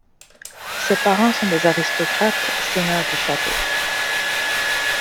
Ses parents sont des aristocrates, seigneurs du château.